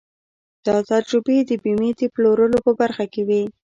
دا تجربې د بيمې د پلورلو په برخه کې وې.